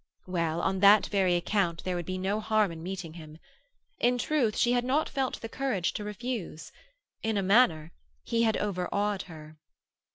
Well, on that very account there would be no harm in meeting him. In truth, she had not felt the courage to refuse; in a manner he had overawed her.